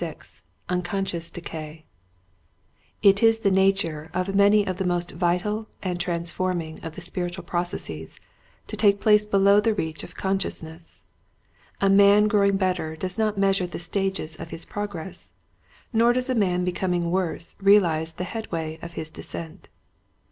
207 XXVI Unconscious Decay, It is the nature of many of the most vital and transforming of the spiritual pro cesses to take place below the reach of consciousness. A man growing better does not measure the stages of his prog ress, nor does a man becoming worse realize the headway of his descent.